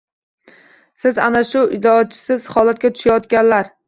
Sizni ana shu ilojsiz holatga tushirayotganlar –